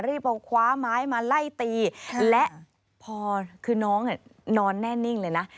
รีบเอาคว้าไม้มาไล่ตีและพอคือน้องนอนแน่นิ่งเลยนะ